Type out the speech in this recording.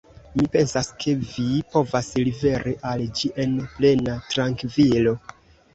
Mi pensas, ke vi povas liveri al ĝi en plena trankvilo.